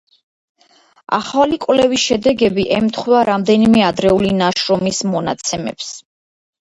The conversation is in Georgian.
ახალი კვლევის შედეგები ემთხვევა რამდენიმე ადრეული ნაშრომის მონაცემებს.